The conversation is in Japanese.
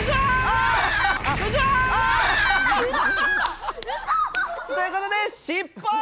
ああ！ということで失敗！